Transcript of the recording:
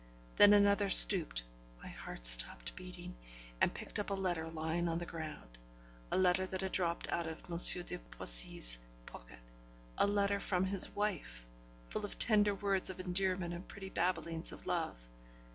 Then another stooped (my heart stopped beating), and picked up a letter lying on the ground a letter that had dropped out of M. de Poissy's pocket a letter from his wife, full of tender words of endearment and pretty babblings of love.